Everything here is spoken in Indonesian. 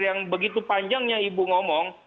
yang begitu panjangnya ibu ngomong